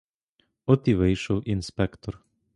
От і вийшов інспектор!